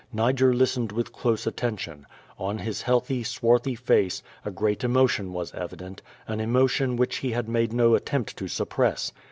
Niger listened with close attention. l)n his healthy, swarthy face, a great emotion was evident, an emotion which he made no attempt to suppress.